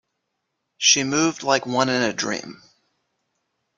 She moved like one in a dream.